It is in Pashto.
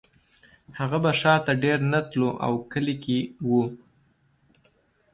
هغه به ښار ته ډېر نه تلو او کلي کې و